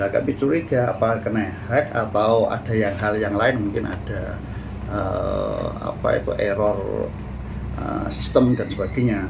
kami curiga apa kena hack atau ada hal yang lain mungkin ada error sistem dan sebagainya